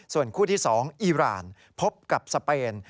ส่วนคู่ที่๒อีรานพบกับสเปน